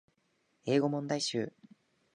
英語問題集